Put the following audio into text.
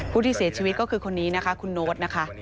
ผู้ที่เสียชีวิตก็คือคนนี้นะคะคุณโน๊ตนะคะ